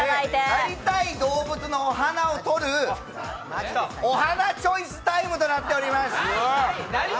なりたい動物のお鼻をとる、お鼻チョイスタイムとなっております。